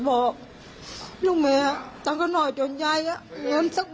มันมีแม่ด้วยมันมีแม่ด้วย